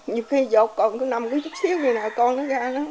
nhiều khi dột con con nằm với chút xíu bây giờ con nó ra